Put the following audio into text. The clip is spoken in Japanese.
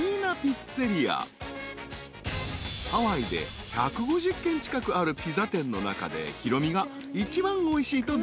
［ハワイで１５０軒近くあるピザ店の中でヒロミが一番おいしいと絶賛］